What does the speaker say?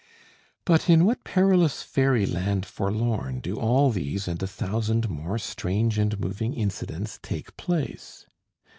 But in what perilous Faery Land forlorn do all these and a thousand more strange and moving incidents take place?